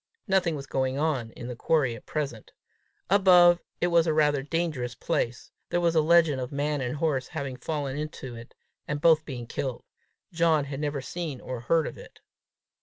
Nothing was going on in the quarry at present. Above, it was rather a dangerous place; there was a legend of man and horse having fallen into it, and both being killed. John had never seen or heard of it.